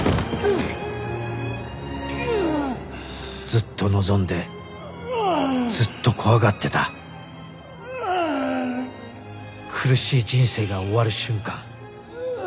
ずっと望んでずっと怖がってた苦しい人生が終わる瞬間。